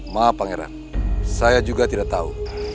maaf pangeran saya juga tidak tahu